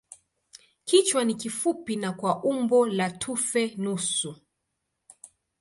Kichwa ni kifupi na kwa umbo la tufe nusu.